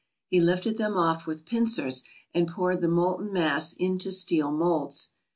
He lifted them off with pincers and poured the molten mass into steel moulds.